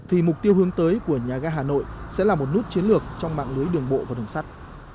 hướng tới của nhà ga hà nội sẽ là một nút chiến lược trong mạng lưới đường bộ và đường sắt